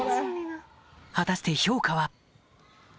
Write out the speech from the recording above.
果たして評価は？